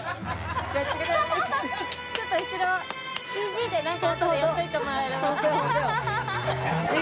ちょっと後ろＣＧでなんかあとでやっておいてもらえれば。